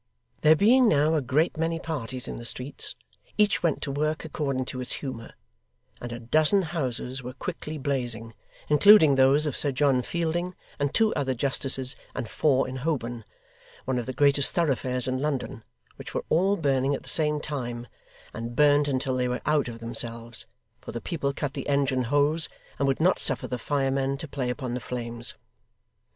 There being now a great many parties in the streets, each went to work according to its humour, and a dozen houses were quickly blazing, including those of Sir John Fielding and two other justices, and four in Holborn one of the greatest thoroughfares in London which were all burning at the same time, and burned until they went out of themselves, for the people cut the engine hose, and would not suffer the firemen to play upon the flames.